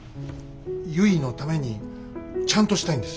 ゆいのためにちゃんとしたいんです。